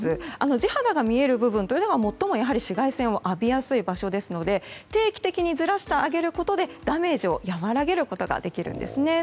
地肌が見える部分が最も紫外線を浴びやすい場所ですので定期的にずらしてあげることでダメージを和らげることができるんですね。